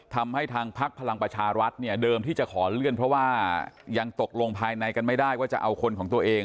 ทำให้ทางพักพลังประชารัฐเนี่ยเดิมที่จะขอเลื่อนเพราะว่ายังตกลงภายในกันไม่ได้ว่าจะเอาคนของตัวเอง